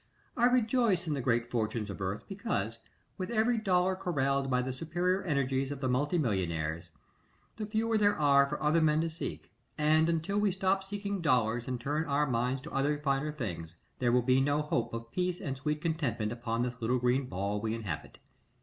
I rejoice in the great fortunes of earth because, with every dollar corralled by the superior energies of the multi millionaires, the fewer there are for other men to seek, and until we stop seeking dollars and turn our minds to other, finer things, there will be no hope of peace and sweet content upon this little green ball we inhabit.